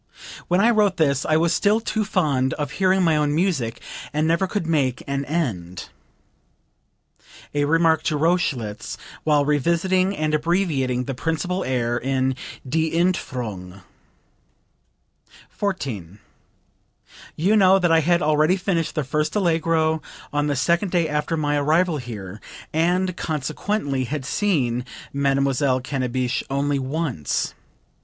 When I wrote this I was still too fond of hearing my own music, and never could make an end." (A remark to Rochlitz while revising and abbreviating the principal air in "Die Entfuhrung.") 14. "You know that I had already finished the first Allegro on the second day after my arrival here, and consequently had seen Mademoiselle Cannabich only once.